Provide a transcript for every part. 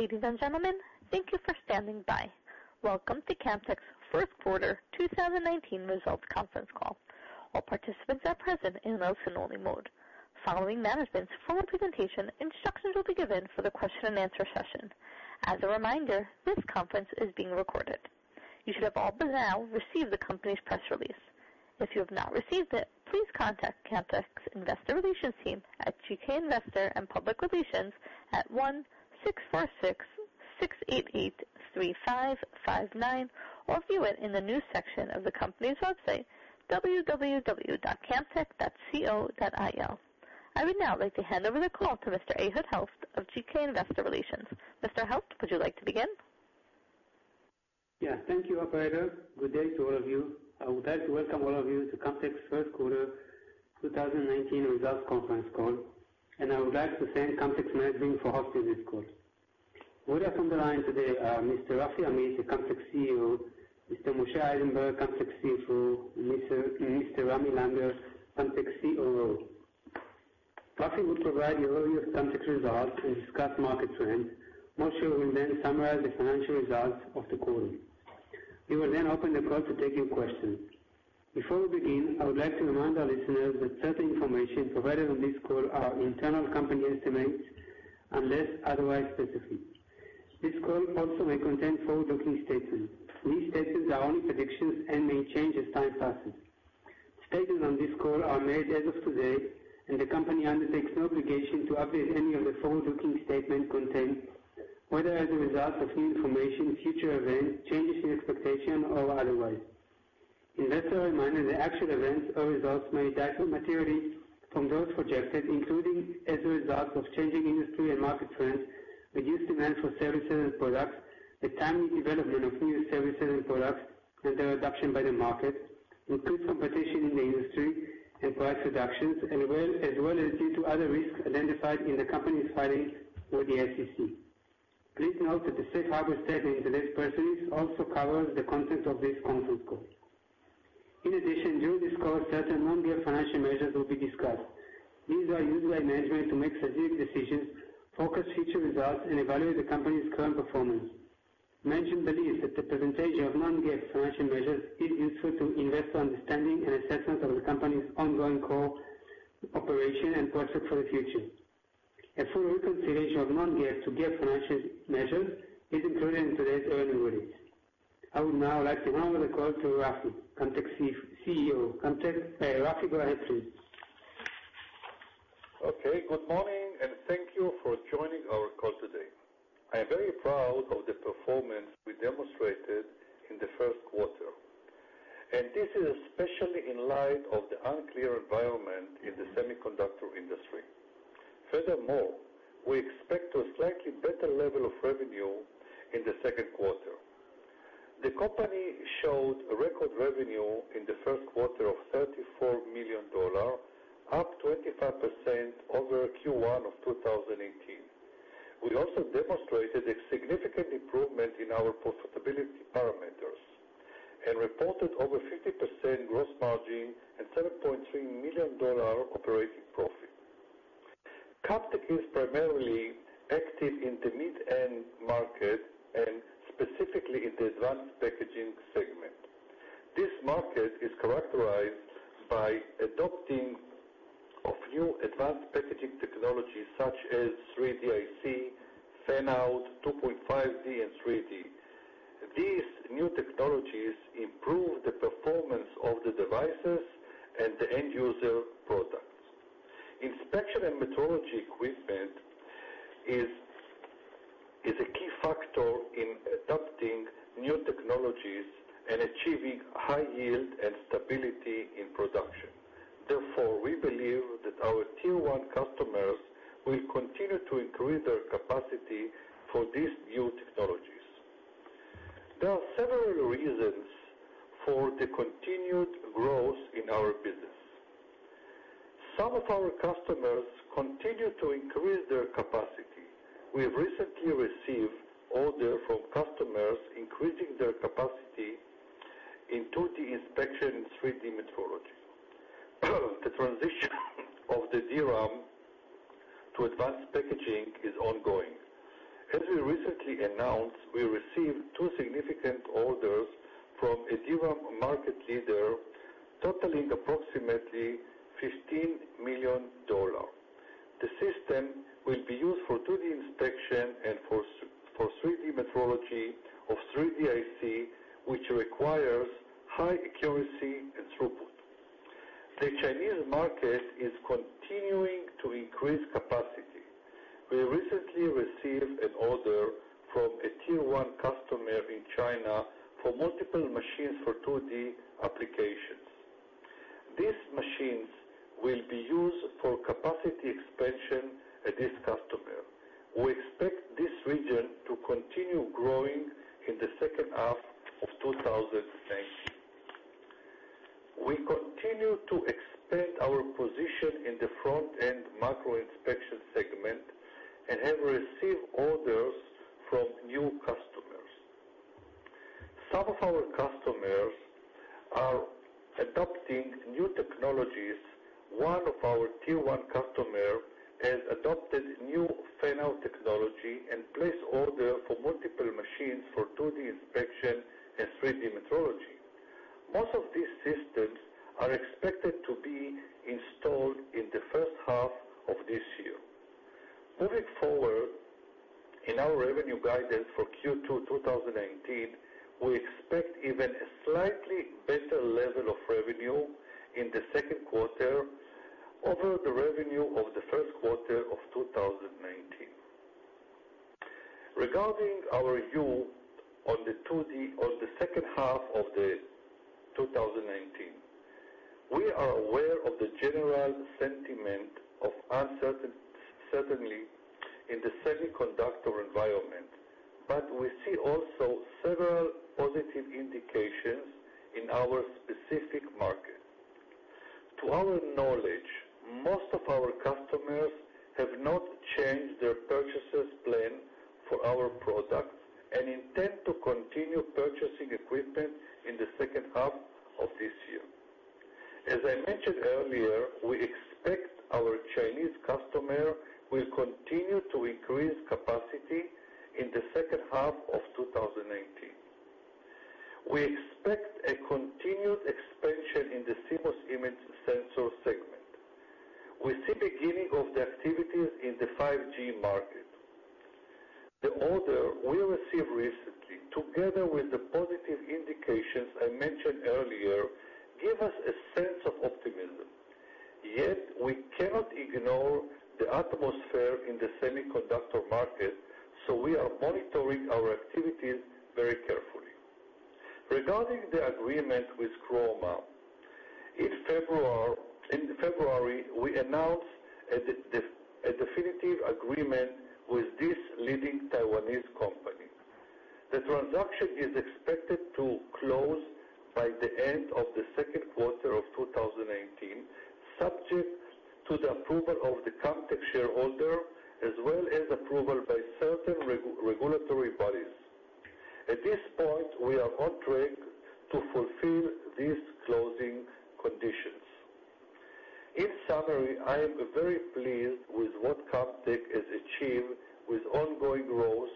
Ladies and gentlemen, thank you for standing by. Welcome to Camtek's first quarter 2019 results conference call. All participants are present in listen-only mode. Following management's full presentation, instructions will be given for the question and answer session. As a reminder, this conference is being recorded. You should have all by now received the company's press release. If you have not received it, please contact Camtek's investor relations team at GK Investor & Public Relations at +1-646-688-3559 or view it in the news section of the company's website, www.camtek.co.il. I would now like to hand over the call to Mr. Ehud Helft of GK Investor Relations. Mr. Helft, would you like to begin? Yes. Thank you, operator. Good day to all of you. I would like to welcome all of you to Camtek's first quarter 2019 results conference call, and I would like to thank Camtek's management for hosting this call. With us on the line today are Mr. Rafi Amit, the Camtek CEO; Mr. Moshe Eisenberg, Camtek CFO; and Mr. Ramy Langer, Camtek COO. Rafi will provide you overview of Camtek's results and discuss market trends. Moshe will then summarize the financial results of the quarter. We will then open the call to take your questions. Before we begin, I would like to remind our listeners that certain information provided on this call are internal company estimates unless otherwise specified. This call also may contain forward-looking statements. These statements are only predictions and may change as time passes. Statements on this call are made as of today. The company undertakes no obligation to update any of the forward-looking statement content, whether as a result of new information, future events, changes in expectation, or otherwise. Investors are reminded that actual events or results may differ materially from those projected, including as a result of changing industry and market trends, reduced demand for services and products, the timely development of new services and products, and their adoption by the market, increased competition in the industry and price reductions, as well as due to other risks identified in the company's filings with the SEC. Please note that the safe harbor statement in today's press release also covers the content of this conference call. In addition, during this call, certain non-GAAP financial measures will be discussed. These are used by management to make strategic decisions, focus future results, and evaluate the company's current performance. Management believes that the presentation of non-GAAP financial measures is useful to investor understanding and assessment of the company's ongoing core operation and prospects for the future. A full reconciliation of non-GAAP to GAAP financial measures is included in today's earnings release. I would now like to hand over the call to Rafi, Camtek's CEO. Rafi, go ahead, please. Okay. Good morning. Thank you for joining our call today. I am very proud of the performance we demonstrated in the first quarter. This is especially in light of the unclear environment in the semiconductor industry. Furthermore, we expect a slightly better level of revenue in the second quarter. The company showed a record revenue in the first quarter of $34 million, up 25% over Q1 2018. We also demonstrated a significant improvement in our profitability parameters and reported over 50% gross margin and $7.3 million operating profit. Camtek is primarily active in the mid-end market and specifically in the advanced packaging segment. This market is characterized by adopting of new advanced packaging technologies such as 3D IC, Fan-out, 2.5D, and 3D. These new technologies improve the performance of the devices and the end-user products. Inspection and metrology equipment is a key factor in adopting new technologies and achieving high yield and stability in production. Therefore, we believe that our tier 1 customers will continue to increase their capacity for these new technologies. There are several reasons for the continued growth in our business. Some of our customers continue to increase their capacity. We have recently received orders from customers increasing their capacity in 2D inspection and 3D metrology. The transition of the DRAM to advanced packaging is ongoing. As we recently announced, we received two significant orders from a DRAM market leader totaling approximately $15 million. The system will be used for 2D inspection and for 3D metrology of 3D IC, which requires high accuracy and throughput. The Chinese market is continuing to increase capacity. We recently received an order from a tier 1 customer in China for multiple machines for 2D applications. These machines will be used for capacity expansion at this customer. We expect this region to continue growing in the second half of 2019. We continue to expand our position in the front-end macro inspection segment and have received orders from new customers. Some of our customers are adopting new technologies. One of our tier 1 customer has adopted new Fan-out technology and placed order for multiple machines for 2D inspection and 3D metrology. Most of these systems are expected to be installed in the first half of this year. Moving forward, in our revenue guidance for Q2 2019, we expect even a slightly better level of revenue in the second quarter over the revenue of the first quarter of 2019. Regarding our view on the second half of 2019, we are aware of the general sentiment of uncertainty in the semiconductor environment. We see also several positive indications in our specific market. To our knowledge, most of our customers have not changed their purchases plan for our products and intend to continue purchasing equipment in the second half of this year. As I mentioned earlier, we expect our Chinese customer will continue to increase capacity in the second half of 2019. We expect a continued expansion in the CMOS image sensor segment. We see beginning of the activities in the 5G market. The order we received recently, together with the positive indications I mentioned earlier, give us a sense of optimism. We cannot ignore the atmosphere in the semiconductor market. We are monitoring our activities very carefully. Regarding the agreement with Chroma, in February, we announced a definitive agreement with this leading Taiwanese company. The transaction is expected to close by the end of the second quarter of 2018, subject to the approval of the Camtek shareholder, as well as approval by certain regulatory bodies. At this point, we are on track to fulfill these closing conditions. In summary, I am very pleased with what Camtek has achieved with ongoing growth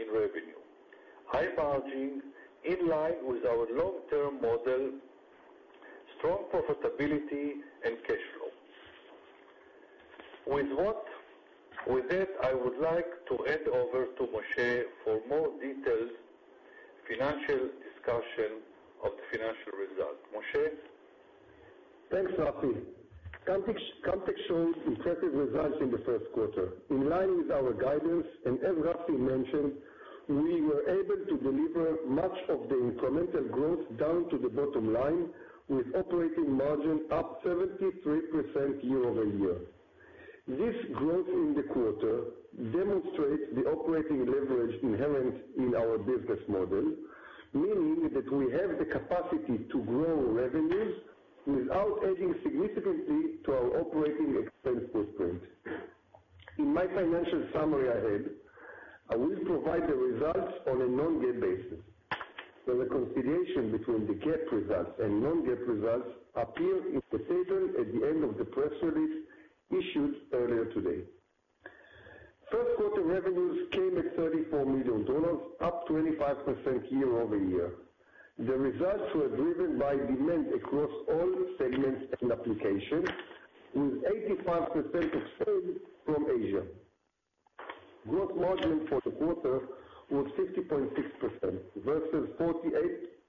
in revenue, high margin in line with our long-term model, strong profitability, and cash flow. With that, I would like to hand over to Moshe for more detailed financial discussion of the financial result. Moshe? Thanks, Rafi. Camtek shows impressive results in the first quarter. In line with our guidance, as Rafi mentioned, we were able to deliver much of the incremental growth down to the bottom line with operating margin up 73% year over year. This growth in the quarter demonstrates the operating leverage inherent in our business model, meaning that we have the capacity to grow revenues without adding significantly to our operating expense footprint. In my financial summary ahead, I will provide the results on a non-GAAP basis. The reconciliation between the GAAP results and non-GAAP results appear in the table at the end of the press release issued earlier today. First quarter revenues came at $34 million, up 25% year over year. The results were driven by demand across all segments and applications, with 85% of sales from Asia. Gross margin for the quarter was 50.6% versus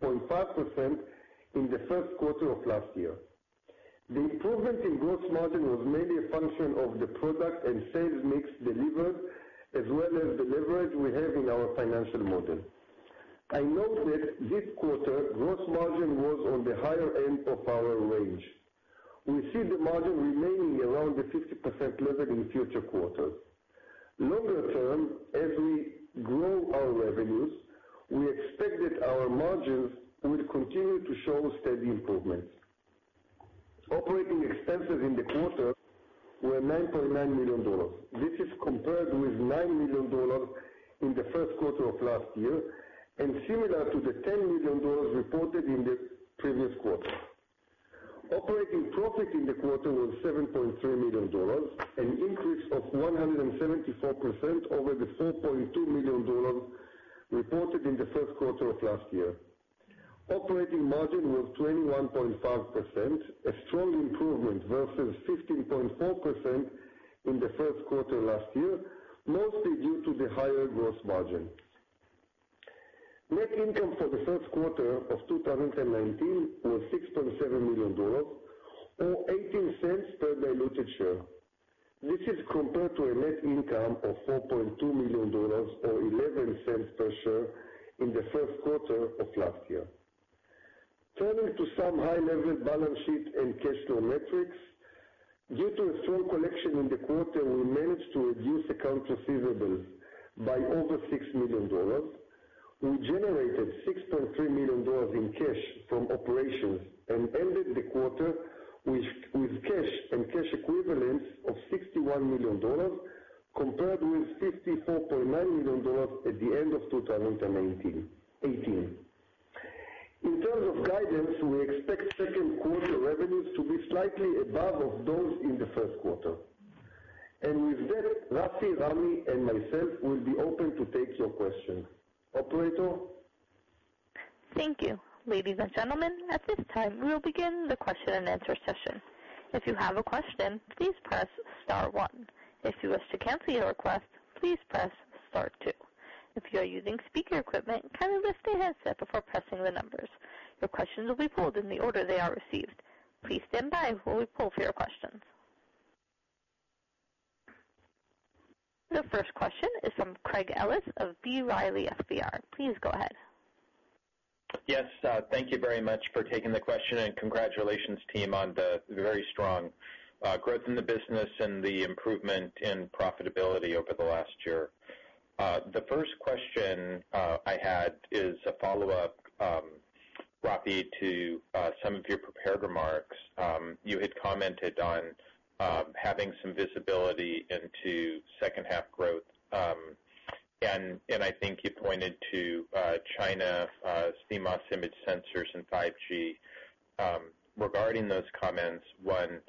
48.5% in the first quarter of last year. The improvement in gross margin was mainly a function of the product and sales mix delivered as well as the leverage we have in our financial model. I note that this quarter, gross margin was on the higher end of our range. We see the margin remaining around the 50% level in future quarters. Longer term, as we grow our revenues, we expect that our margins will continue to show steady improvements. Operating expenses in the quarter were $9.9 million. This is compared with $9 million in the first quarter of last year and similar to the $10 million reported in the previous quarter. Operating profit in the quarter was $7.3 million, an increase of 174% over the $4.2 million reported in the first quarter of last year. Operating margin was 21.5%, a strong improvement versus 15.4% in the first quarter last year, mostly due to the higher gross margin. Net income for the first quarter of 2019 was $6.7 million, or $0.18 per diluted share. This is compared to a net income of $4.2 million, or $0.11 per share in the first quarter of last year. Turning to some high-level balance sheet and cash flow metrics. Due to a strong collection in the quarter, we managed to reduce accounts receivables by over $6 million. In cash from operations, ended the quarter with cash and cash equivalents of $61 million compared with $54.9 million at the end of 2018. In terms of guidance, we expect second quarter revenues to be slightly above those in the first quarter. With that, Rafi, Ramy, and myself will be open to take your questions. Operator? Thank you. Ladies and gentlemen, at this time, we'll begin the question and answer session. If you have a question, please press star one. If you wish to cancel your request, please press star two. If you are using speaker equipment, kindly lift the handset before pressing the numbers. Your questions will be pulled in the order they are received. Please stand by while we pull for your questions. The first question is from Craig Ellis of B. Riley FBR. Please go ahead. Yes. Thank you very much for taking the question, congratulations, team, on the very strong growth in the business and the improvement in profitability over the last year. The first question I had is a follow-up, Rafi, to some of your prepared remarks. You had commented on having some visibility into second half growth. I think you pointed to China, CMOS image sensors and 5G. Regarding those comments, one,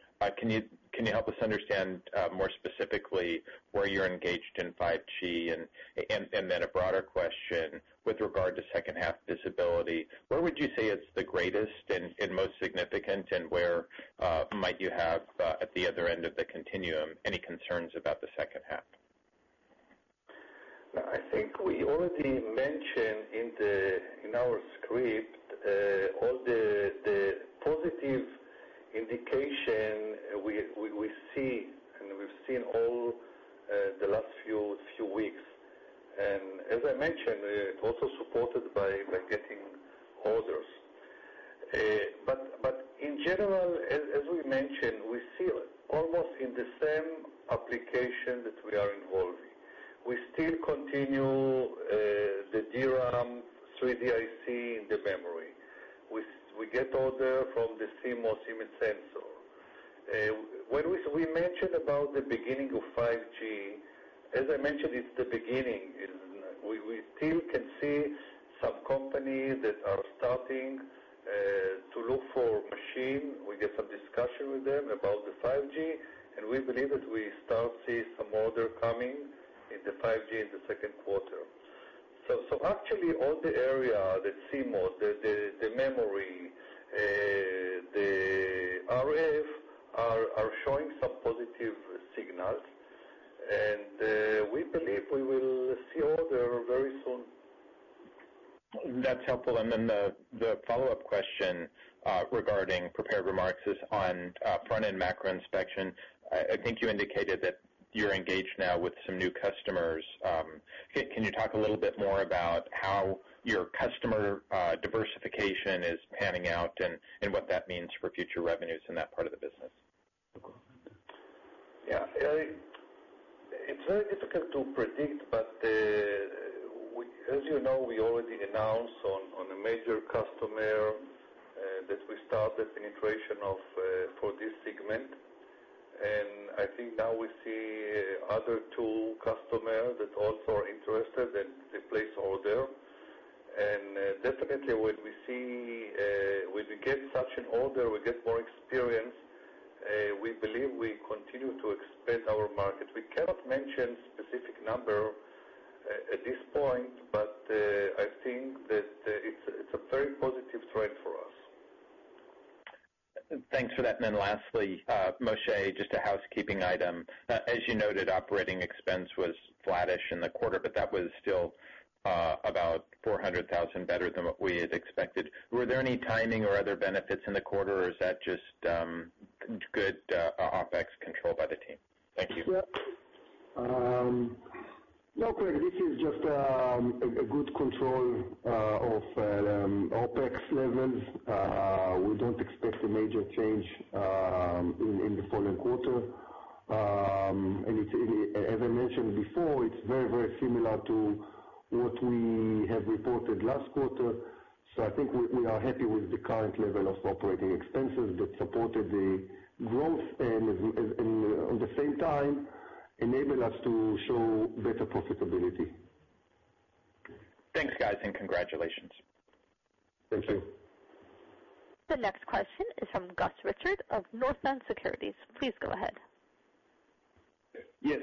can you help us understand more specifically where you're engaged in 5G? Then a broader question with regard to second half visibility, where would you say it's the greatest and most significant, and where might you have, at the other end of the continuum, any concerns about the second half? I think we already mentioned in our script all the positive indication we see and we've seen all the last few weeks. As I mentioned, also supported by getting orders. In general, as we mentioned, we see almost in the same application that we are involved. We still continue the DRAM 3D IC in the memory. We get order from the CMOS image sensor. When we mentioned about the beginning of 5G, as I mentioned, it's the beginning. We still can see some companies that are starting to look for machine. We get some discussion with them about the 5G, and we believe that we start see some order coming in the 5G in the second quarter. Actually, all the area, the CMOS, the memory, the RF are showing some positive signals. We believe we will see order very soon. That's helpful. The follow-up question regarding prepared remarks is on front-end macro inspection. I think you indicated that you're engaged now with some new customers. Can you talk a little bit more about how your customer diversification is panning out and what that means for future revenues in that part of the business? Yeah. It's very difficult to predict, as you know, we already announced on a major customer that we started penetration for this segment. I think now we see other two customer that also are interested and they place order. Definitely, when we get such an order, we get more experience, we believe we continue to expand our market. We cannot mention specific number at this point, but I think that it's a very positive trend for us. Thanks for that. Lastly, Moshe, just a housekeeping item. As you noted, operating expense was flattish in the quarter, but that was still about $400,000 better than what we had expected. Were there any timing or other benefits in the quarter or is that just good OpEx control by the team? Thank you. Yeah. No, Craig, this is just a good control of OpEx levels. We don't expect a major change in the following quarter. As I mentioned before, it's very, very similar to what we have reported last quarter. I think we are happy with the current level of operating expenses that supported the growth and at the same time enabled us to show better profitability. Thanks, guys, congratulations. Thank you. The next question is from Gus Richard of Northland Securities. Please go ahead.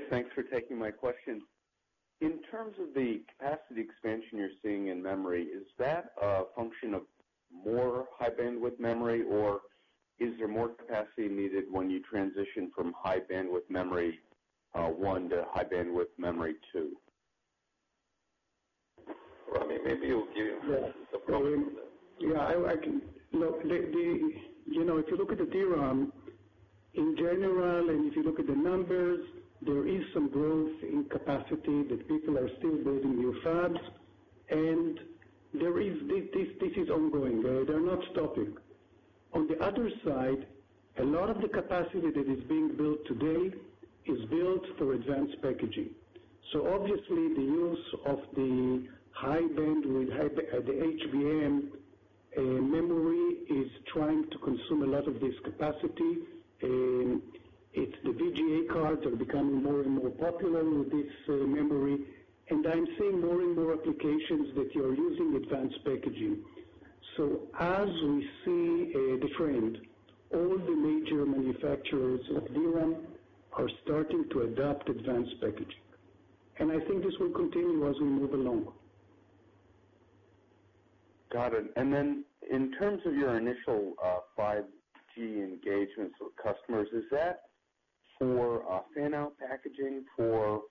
Thanks for taking my question. In terms of the capacity expansion you're seeing in memory, is that a function of more High-Bandwidth Memory, or is there more capacity needed when you transition from High-Bandwidth Memory one to High-Bandwidth Memory two? Ramy, Yeah. The problem. Yeah. If you look at the DRAM in general, and if you look at the numbers, there is some growth in capacity that people are still building new fabs, and this is ongoing. They're not stopping. On the other side, a lot of the capacity that is being built today is built for advanced packaging. Obviously the use of the High-Bandwidth Memory, the HBM memory, is trying to consume a lot of this capacity. It's the GPU cards are becoming more and more popular with this memory, and I'm seeing more and more applications that you're using advanced packaging. As we see the trend, all the major manufacturers of DRAM are starting to adopt advanced packaging. I think this will continue as we move along. Got it. In terms of your initial 5G engagements with customers, is that for fan-out packaging? You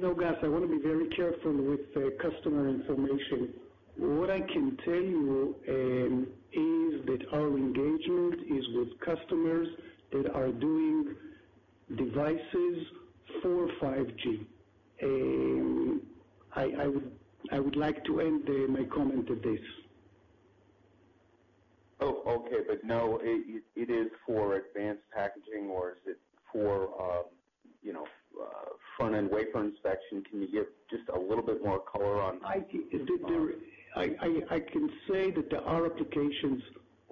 know, Gus, I want to be very careful with customer information. What I can tell you is that our engagement is with customers that are doing devices for 5G. I would like to end my comment at this. Okay. No, it is for advanced packaging or is it for front-end wafer inspection? Can you give just a little bit more color on? I can say that there are applications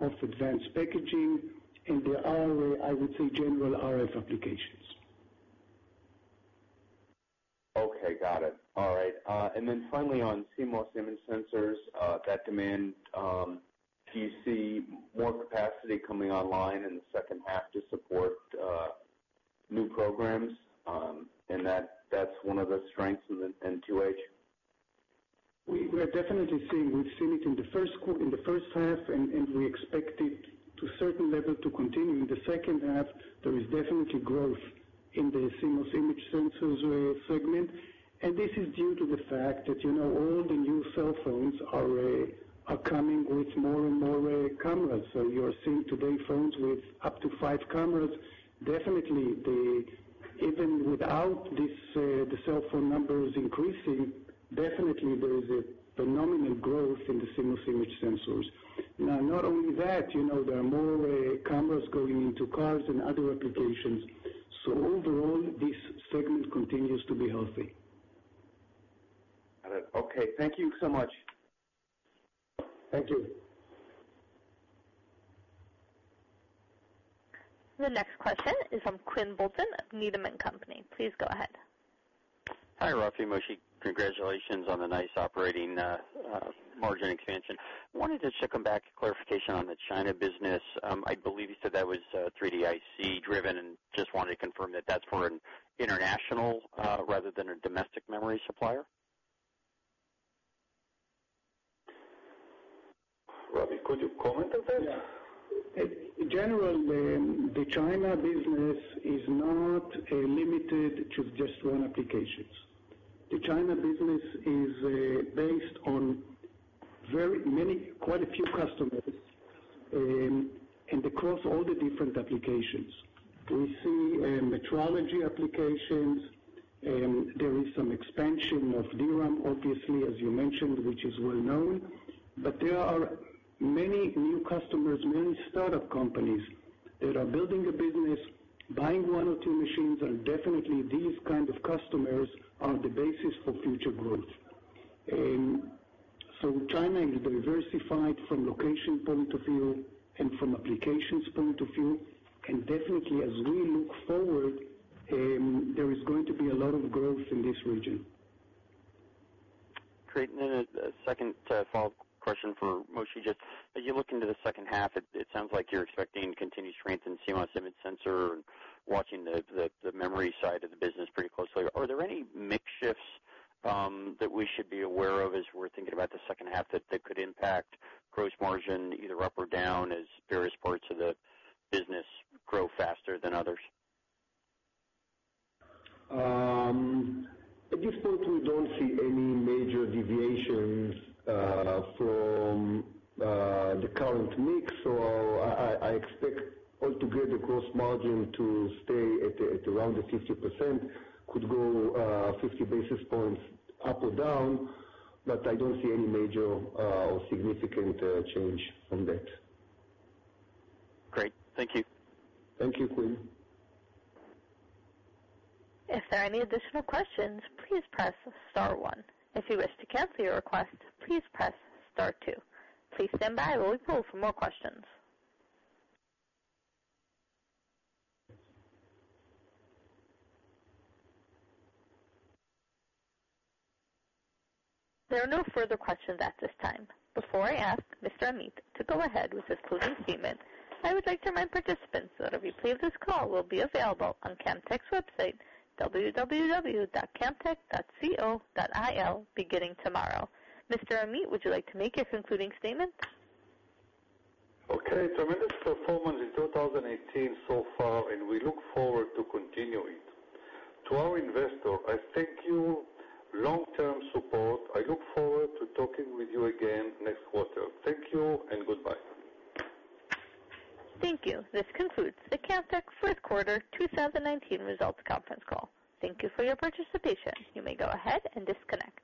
of advanced packaging, and there are, I would say, general RF applications. Okay. Got it. All right. Finally on CMOS image sensors, that demand, do you see more capacity coming online in the second half to support new programs? And that's one of the strengths in 2H? We are definitely seeing. We've seen it in the first half, we expect it to a certain level to continue in the second half. There is definitely growth in the CMOS image sensors segment, this is due to the fact that all the new cell phones are coming with more and more cameras. You are seeing today phones with up to five cameras. Even without the cell phone numbers increasing, definitely there is a phenomenal growth in the CMOS image sensors. Not only that, there are more cameras going into cars and other applications. Overall, this segment continues to be healthy. Got it. Okay. Thank you so much. Thank you. The next question is from Quinn Bolton of Needham & Company. Please go ahead. Hi, Rafi, Moshe. Congratulations on the nice operating margin expansion. Wanted to circle back clarification on the China business. I believe you said that was 3D IC driven, and just wanted to confirm that that's for an international, rather than a domestic memory supplier. Rafi, could you comment on that? Yeah. Generally, the China business is not limited to just one applications. The China business is based on quite a few customers, and across all the different applications. We see metrology applications. There is some expansion of DRAM, obviously, as you mentioned, which is well known. There are many new customers, many startup companies that are building a business, buying one or two machines, and definitely these kind of customers are the basis for future growth. China is diversified from location point of view and from applications point of view. Definitely as we look forward, there is going to be a lot of growth in this region. Great. A second follow-up question for Moshe. Just as you look into the second half, it sounds like you're expecting continued strength in CMOS image sensor and watching the memory side of the business pretty closely. Are there any mix shifts that we should be aware of as we're thinking about the second half that could impact gross margin either up or down as various parts of the business grow faster than others? At this point, we don't see any major deviations from the current mix, so I expect altogether the gross margin to stay at around the 50%, could go 50 basis points up or down, but I don't see any major or significant change on that. Great. Thank you. Thank you, Quinn. If there are any additional questions, please press star one. If you wish to cancel your request, please press star two. Please stand by while we poll for more questions. There are no further questions at this time. Before I ask Mr. Amit to go ahead with his closing statement, I would like to remind participants that a replay of this call will be available on Camtek's website, www.camtek.co.il beginning tomorrow. Mr. Amit, would you like to make your concluding statement? Okay. Tremendous performance in 2018 so far, and we look forward to continuing. To our investor, I thank you long-term support. I look forward to talking with you again next quarter. Thank you and goodbye. Thank you. This concludes the Camtek first quarter 2019 results conference call. Thank you for your participation. You may go ahead and disconnect.